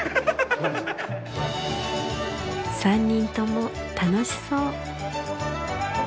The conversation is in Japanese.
３人とも楽しそう。